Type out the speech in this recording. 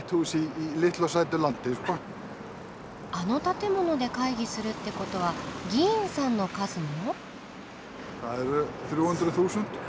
あの建物で会議するってことは議員さんの数も？